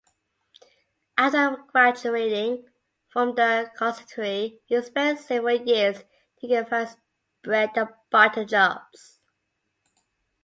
After graduating from the conservatory he spent several years taking various bread-and-butter jobs.